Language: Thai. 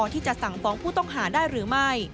ที่จะสั่งฟ้องผู้ต้องหาได้หรือไม่